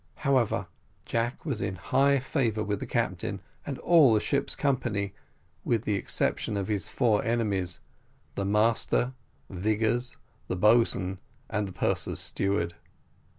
However, Jack was in high favour with the captain, and all the ship's company, with the exception of his four enemies the master, Vigors, the boatswain, and the purser's steward.